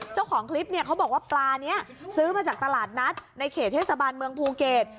เจ้าของคลิปเนี่ยเขาบอกว่าปลานี้ซื้อมาจากตลาดนัดในเขตเทศบาลเมืองภูเก็ต